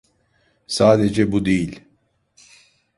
Sadece bu değil.